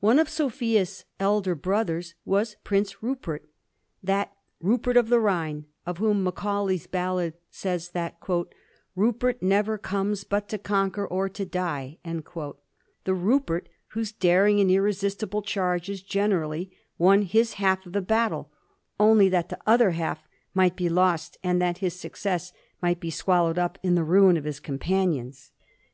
One of Sophia's elder brothers was Prince Rupert, that ' Rupert of the Rhine,' of whom Macaulay's ballad says that, ^ Rupert never comes but to conquer or to die,' the Rupert whose daring and irresistible charges generally won his half of the battle, only that the other half might be lost and that his success might be swallowed up in the ruin of his companions.